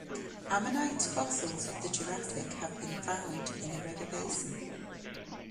Ammonite fossils of the Jurassic have been found in the river basin.